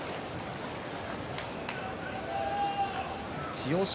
千代翔